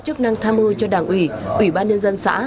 chức năng tham ưu cho đảng ủy ủy ban nhân dân xã